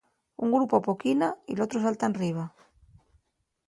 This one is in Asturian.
Un grupu apoquina y l'otru salta enriba.